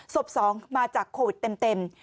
๒มาจากโควิดเต็ม